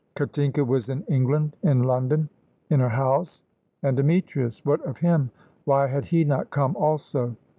Katinka was in England, in London, in her house. And Demetrius? What of him? Why had he not come also?